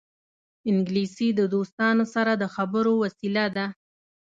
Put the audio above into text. انګلیسي د دوستانو سره د خبرو وسیله ده